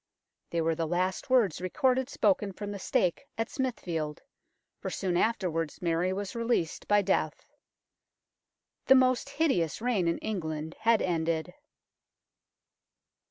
They were the last words recorded spoken from the stake at Smithfield, for soon afterwards Mary was released by death. The most hideous reign in England had ended.